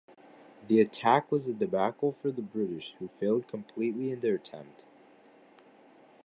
The attack was a debacle for the British, who failed completely in their attempt.